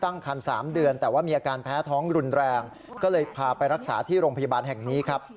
ตั้งคัน๓เดือนแต่ว่ามีอาการแพ้ท้องรุนแรงก็เลยพาไปรักษาที่โรงพยาบาลแห่งนี้ครับ